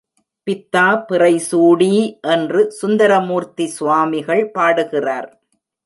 பித்தா பிறைசூடீ என்று சுந்தரமூர்த்தி சுவாமிகள் பாடுகிறார்.